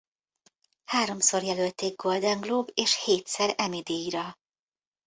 Háromszor jelölték Golden Globe- és hétszer Emmy-díjra.